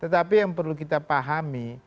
tetapi yang perlu kita pahami